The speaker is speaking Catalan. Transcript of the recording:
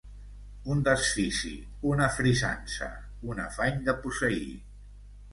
Un desfici, una frisança, un afany de posseir